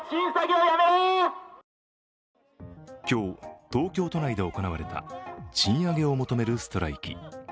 今日、東京都内で行われた賃上げを求めるストライキ。